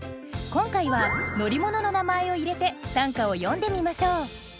今回は乗り物の名前を入れて短歌を詠んでみましょう。